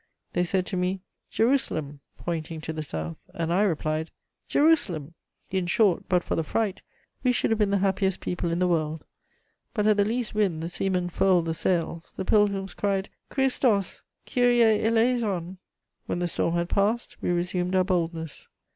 They said to me, 'Jerusalem!' pointing to the south; and I replied, 'Jerusalem!' In short, but for the fright, we should have been the happiest people in the world; but at the least wind the seamen furled the sails, the pilgrims cried, 'Christos, Kyrie eleison!' When the storm had passed, we resumed our boldness."